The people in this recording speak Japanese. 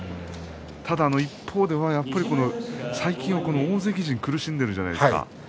ただ一方では最近の大関陣が苦しんでいるんじゃないですか。